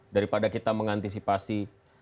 daripada kita mengantisipasi